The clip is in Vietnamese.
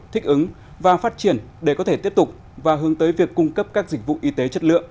thích ứng và phát triển để có thể tiếp tục và hướng tới việc cung cấp các dịch vụ y tế chất lượng